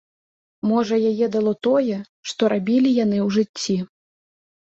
Можа яе дало тое, што рабілі яны ў жыцці.